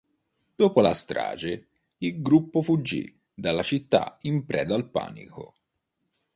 Dopo la strage, il gruppo fuggì dalla città in preda al panico.